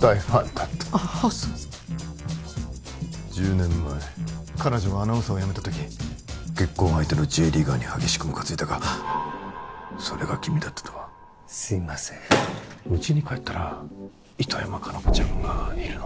大ファンだったああそうですか１０年前彼女がアナウンサーをやめた時結婚相手のＪリーガーに激しくムカついたがそれが君だったとはすいませんうちに帰ったら糸山果奈子ちゃんがいるの？